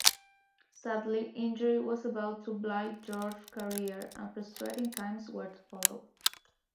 Sadly, injury was about to blight Geoff's career, and frustrating times where to follow.